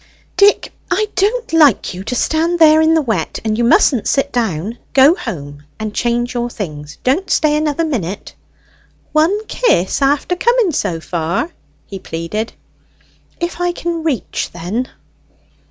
"Dick, I don't like you to stand there in the wet. And you mustn't sit down. Go home and change your things. Don't stay another minute." "One kiss after coming so far," he pleaded. "If I can reach, then."